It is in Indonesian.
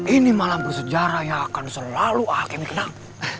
ini malam bersejarah yang akan selalu ah kem kenang